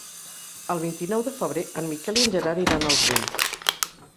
El vint-i-nou de febrer en Miquel i en Gerard iran al Brull.